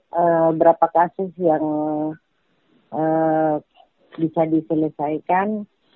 beberapa kasus yang bisa diselesaikan